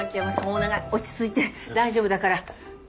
お願い落ち着いて大丈夫だから。